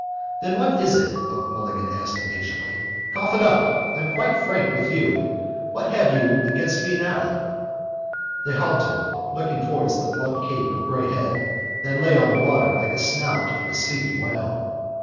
—Then what is it? Buck Mulligan asked impatiently. Cough it up. I'm quite frank with you. What have you against me now? They halted, looking towards the blunt cape of Bray Head that lay on the water like the snout of a sleeping whale.